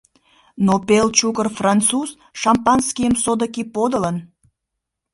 Но пел чукыр француз шампанскийым содыки подылын.